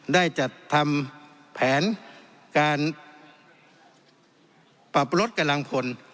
ได้จัดทำแผนการปรับลดกำลังพล